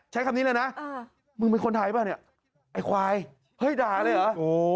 ใช้คำนี้เลยนะมึงเป็นคนไทยป่ะเนี่ยไอ้ควายเฮ้ยด่าเลยเหรอ